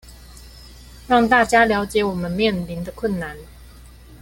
讓大家了解我們面臨的困難